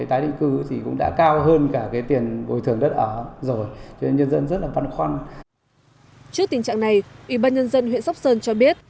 trước tình trạng này ủy ban nhân dân huyện sóc sơn cho biết